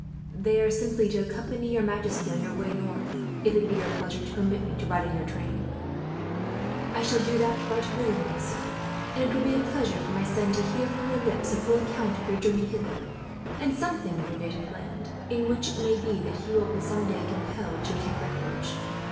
"They are simply to accompany your majesty on your way north, if it be your pleasure to permit me to ride in your train." "I shall do that right willingly, sir; and it will be a pleasure for my son to hear, from your lips, a full account of your journey hither, and something of your native land, in which it may be that he will be, some day, compelled to take refuge."